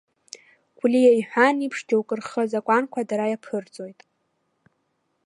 Гәлиа иҳәан еиԥш, џьоукы рхы азакәанқәа дара иаԥырҵоит!